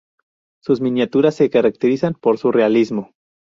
Sus miniaturas se caracterizan por su realismo.